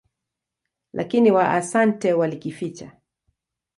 Lakini Waasante walikificha.